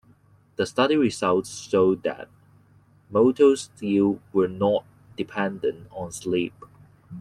The study results showed that motor skills were not dependent on sleep.